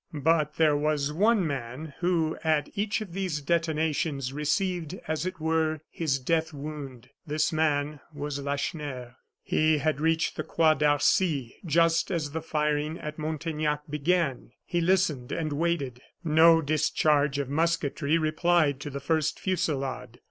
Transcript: But there was one man, who, at each of these detonations, received, as it were, his death wound this man was Lacheneur. He had reached the Croix d'Arcy just as the firing at Montaignac began. He listened and waited. No discharge of musketry replied to the first fusillade.